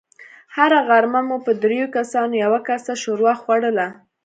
هره غرمه مو په دريو کسانو يوه کاسه ښوروا خوړله.